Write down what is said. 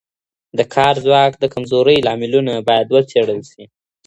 د کار ځواک د کمزورۍ لاملونه باید وڅېړل سي.